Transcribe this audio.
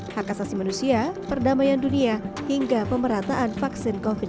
hak asasi manusia perdamaian dunia hingga pemerataan vaksin covid sembilan belas